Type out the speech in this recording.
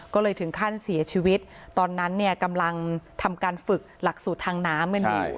ก็เลยถึงขั้นเสียชีวิตตอนนั้นเนี่ยกำลังทำการฝึกหลักสูตรทางน้ำกันอยู่